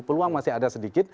peluang masih ada sedikit